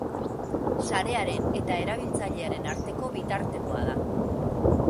Sarearen eta erabiltzailearen arteko bitartekoa da.